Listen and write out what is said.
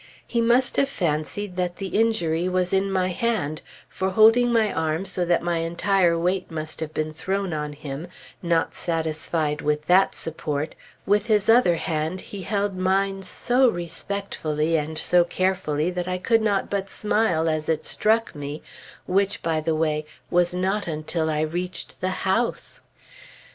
He must have fancied that the injury was in my hand; for holding my arm so that my entire weight must have been thrown on him, not satisfied with that support, with his other hand he held mine so respectfully and so carefully that I could not but smile as it struck me, which, by the way, was not until I reached the house!